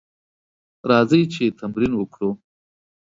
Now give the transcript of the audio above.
راځئ چې تمرين وکړو.